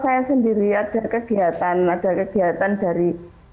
saya sendiri ada kegiatan ada kegiatan dari